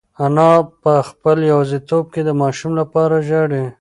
انا په خپله یوازیتوب کې د ماشوم لپاره ژاړي.